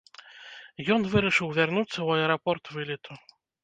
Ён вырашыў вярнуцца ў аэрапорт вылету.